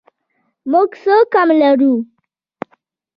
موږ څه کم لرو؟